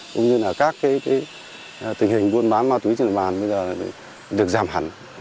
cũng như là các tình hình buôn bán ma túy trên địa bàn